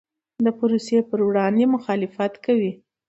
د پروسې پر وړاندې مخالفت کوي.